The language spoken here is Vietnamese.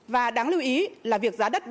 và đáng lưu ý là việc giá đất bị